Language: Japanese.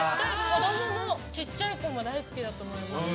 ちっちゃい子も大好きだと思います。